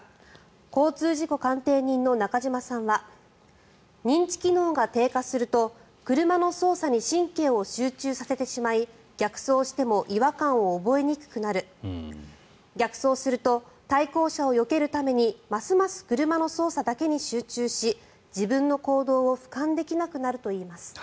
交通事故鑑定人の中島さんは認知機能が低下すると車の操作に神経を集中させてしまい逆走しても違和感を覚えにくくなる逆走すると対向車をよけるためにますます車の操作だけに集中し自分の行動を俯瞰できなくなるといいます。